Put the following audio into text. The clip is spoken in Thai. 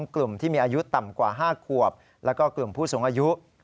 กลุ่มที่มีอายุต่ำกว่า๕ขวบแล้วก็กลุ่มผู้สูงอายุ